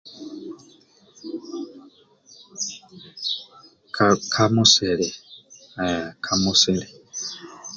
Ka ka musili eh ka musili.